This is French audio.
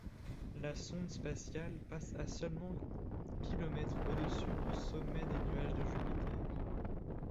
La sonde spatiale passe à seulement kilomètres au-dessus du sommet des nuages de Jupiter.